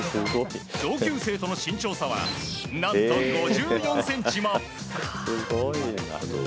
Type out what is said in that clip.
同級生との身長差は何と５４ｃｍも。